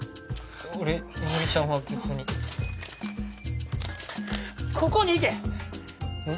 俺みのりちゃんは別にここに行けえっ？